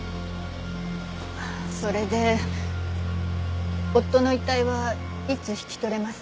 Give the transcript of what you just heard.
それで夫の遺体はいつ引き取れますか？